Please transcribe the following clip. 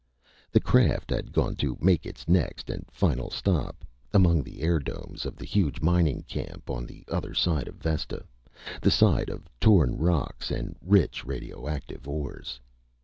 The craft had gone to make its next and final stop among the air domes of the huge mining camp on the other side of Vesta the side of torn rocks and rich radioactive ores.